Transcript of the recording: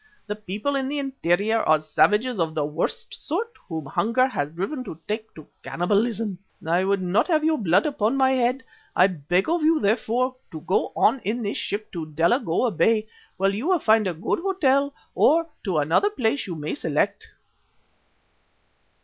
The people in the interior are savages of the worst sort, whom hunger has driven to take to cannibalism. I would not have your blood upon my head. I beg of you, therefore, to go on in this ship to Delagoa Bay, where you will find a good hotel, or to any other place you may select."